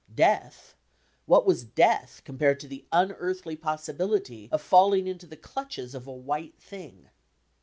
Death! What was death compared to the unearthly possibilty of falling into the clutches of a "white thing"?